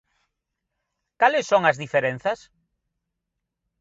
¿Cales son as diferenzas?